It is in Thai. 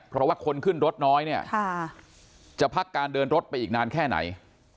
เพราะว่าคนขึ้นรถน้อยเนี่ยจะพักการเดินรถไปอีกนานแค่ไหน